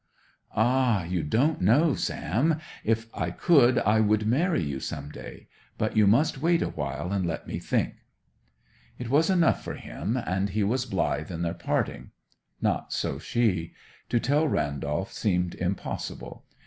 'Ah, you don't know! Sam, if I could, I would marry you, some day. But you must wait a while, and let me think.' It was enough for him, and he was blithe at their parting. Not so she. To tell Randolph seemed impossible.